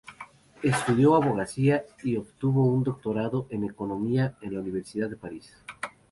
Estudió abogacía y obtuvo un doctorado en economía en la Universidad de París.